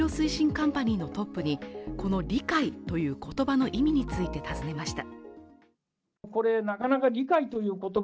カンパニーのトップに、この理解という言葉の意味について尋ねました。